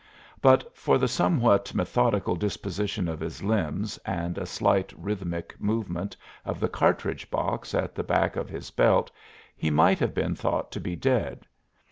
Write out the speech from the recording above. But for the somewhat methodical disposition of his limbs and a slight rhythmic movement of the cartridge box at the back of his belt he might have been thought to be dead.